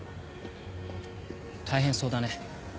大変そうだね。